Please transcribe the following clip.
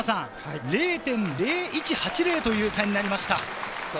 ０．０１８０という差になりました。